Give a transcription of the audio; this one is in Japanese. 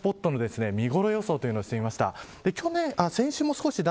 その桜スポットの見頃予想をしてみました。